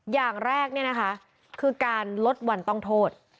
อย่างแรกคือการลดวันต้องโทษ